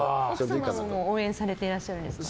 奥様も応援されてらっしゃるんですか。